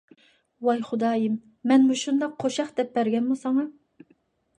ۋاي خۇدايىم، مەن مۇشۇنداق قوشاق دەپ بەرگەنما ساڭا؟